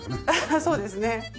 ああそうですね。